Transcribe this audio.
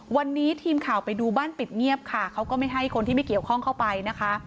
วันนี้ทีมข่าวไปดูบ้านปิดเงียบค่ะเขาก็ไม่ให้คนที่ไม่เกี่ยวข้องเข้าไปนะคะ